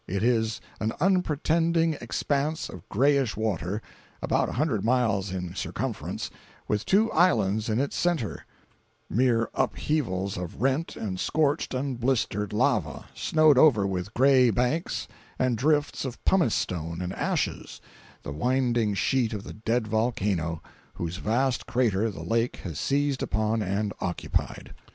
It is an unpretending expanse of grayish water, about a hundred miles in circumference, with two islands in its centre, mere upheavals of rent and scorched and blistered lava, snowed over with gray banks and drifts of pumice stone and ashes, the winding sheet of the dead volcano, whose vast crater the lake has seized upon and occupied.